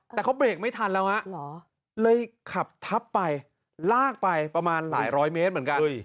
แต่เขาเบรกไม่ทันแล้วฮะเลยขับทับไปลากไปประมาณหลายร้อยเมตรเหมือนกัน